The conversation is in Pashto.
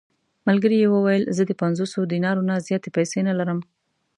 ملګري یې وویل: زه د پنځوسو دینارو نه زیاتې پېسې نه لرم.